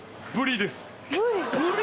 ブリ。